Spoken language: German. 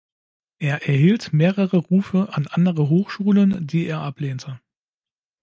Er erhielt mehrere Rufe an andere Hochschulen, die er ablehnte.